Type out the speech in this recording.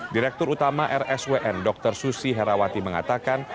direktur utama rswn dr susi herawati mengatakan